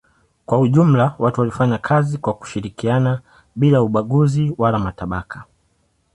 Kwa jumla watu walifanya kazi kwa kushirikiana bila ubaguzi wala matabaka.